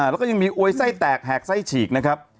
แล้วก็ยังมีอวยไส้แตกแหกไส้ฉีกนะครับ